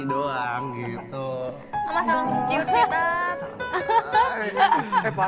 tak bisa kau salahkan